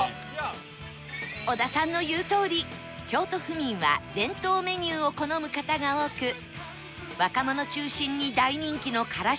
小田さんの言うとおり京都府民は伝統メニューを好む方が多く若者中心に大人気のからし